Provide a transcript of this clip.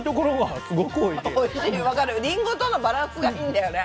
りんごとのバランスがいいんだよね。